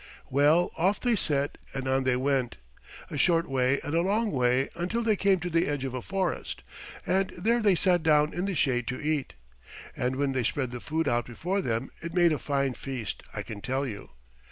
Well, off they set, and on they went, a short way and a long way, until they came to the edge of a forest, and there they sat down in the shade to eat; and when they spread the food out before them it made a fine feast I can tell you.